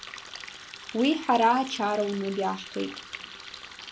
Уи ҳара ачара уны биаҳҭоит!